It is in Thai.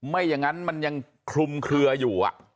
ไม่อย่างนั้นมันยังคลุมเคลืออยู่